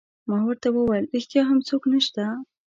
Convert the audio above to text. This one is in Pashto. ما ورته وویل: ریښتیا هم څوک نشته؟